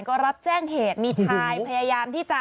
ก็รับแจ้งเหตุมีชายพยายามที่จะ